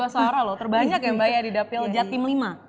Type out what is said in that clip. satu ratus tiga puluh dua seorang loh terbanyak ya mbak ya di dapil jatim lima